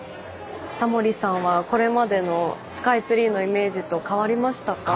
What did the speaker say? タモリさんはこれまでのスカイツリーのイメージと変わりましたか？